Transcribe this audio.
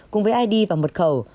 cùng với id và mật khẩu